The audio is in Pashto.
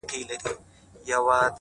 • د زاهد به په خلوت کي اور په کور وي,